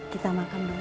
kita makan dulu